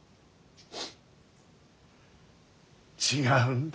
違うんだ。